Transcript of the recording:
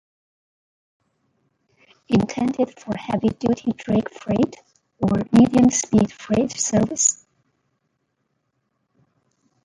Intended for heavy-duty drag freight or medium-speed freight service.